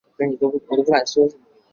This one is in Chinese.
而厄瓜多尔共和国也因此成立。